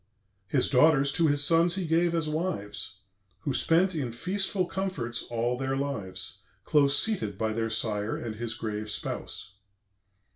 His daughters to his sons he gave as wives; Who spent in feastful comforts all their lives, Close seated by their sire and his grave spouse.